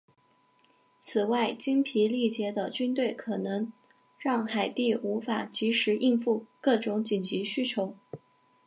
此外精疲力竭的军队可能让海地无法即时应付各种紧急需求。